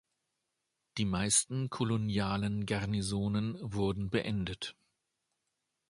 Die meisten kolonialen Garnisonen wurden beendet.